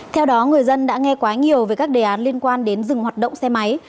theo đó người dân đã nghe quá nhiều về các đề án liên quan đến dừng hoạt động xe máy